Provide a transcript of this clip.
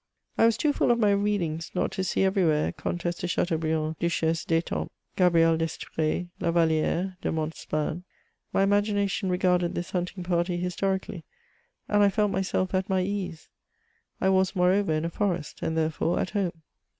I was too full of my readings not to see everywhere Comtesses de Chateaubriand, Duchesses d'Etampes, Ga brielles d'Estr^s, La Yalli^res, de Montespans. My imagination regarded this hunting party historically, and I felt myself at my ease ; I was, moreover, in a forest, and therefore at home.